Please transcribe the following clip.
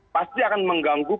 pasti akan mengganggu